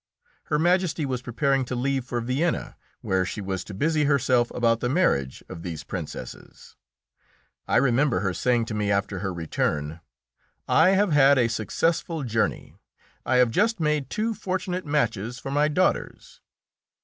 Her Majesty was preparing to leave for Vienna, where she was to busy herself about the marriage of these Princesses. I remember her saying to me after her return: "I have had a successful journey; I have just made two fortunate matches for my daughters."